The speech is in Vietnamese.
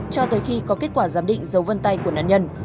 cho tới khi có kết quả giám định dấu vân tay của nạn nhân